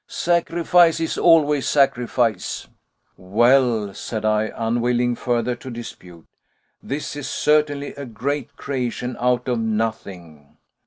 "Sacrifice is always sacrifice." "Well," said I, unwilling further to dispute, "this is certainly a great creation out of nothing."